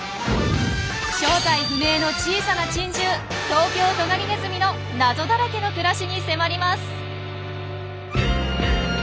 正体不明の小さな珍獣トウキョウトガリネズミの謎だらけの暮らしに迫ります！